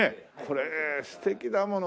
これ素敵だもの。